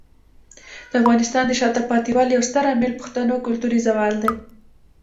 د افغانستان د شاته پاتې والي یو ستر عامل پښتنو کلتوري زوال دی.